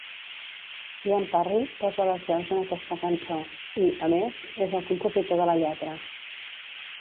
Ian Parry posa les veus en aquesta cançó i, a més, és el compositor de la lletra.